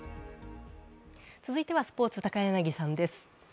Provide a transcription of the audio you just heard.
続いてはスポーツ、高柳さんです。